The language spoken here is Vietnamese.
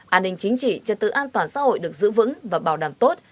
an ninh chính trị trật tự an toàn xã hội được giữ vững và bảo đảm tốt